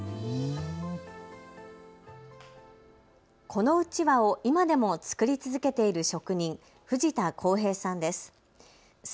このうちわを今でも作り続けている職人、藤田こう平さんです。